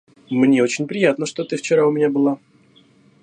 Мне очень приятно, что ты вчера у меня была.